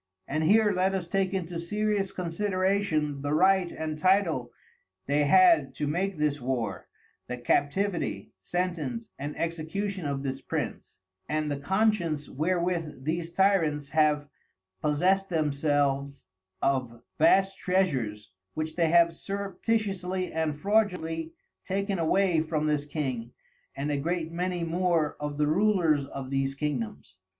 And here let us take into serious Consideration the Right and Title they had to make this War, the Captivity, Sentence, and Execution of this Prince, and the Conscience wherewith these Tyrants have possessed themselves of vast Treasures, which they have surreptitiously and fraudulently taken away from this King, and a great many more of the Rulers of these Kingdoms.